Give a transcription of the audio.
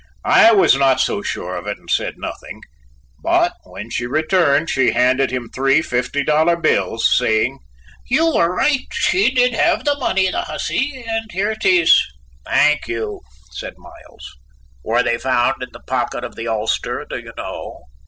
I was not so sure of it and said nothing, but when she returned she handed him three fifty dollar bills, saying: "You were right, she did have the money, the hussy; and here it is." "Thank you," said Miles; "were they found in the pocket of the ulster, do you know?"